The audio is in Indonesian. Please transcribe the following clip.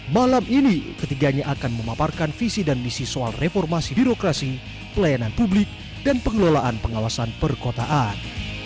malam ini ketiganya akan memaparkan visi dan misi soal reformasi birokrasi pelayanan publik dan pengelolaan pengawasan perkotaan